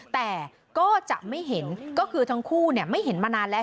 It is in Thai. แต่ก็จะไม่เห็นก็คือทั้งคู่ไม่เห็นมานานแล้ว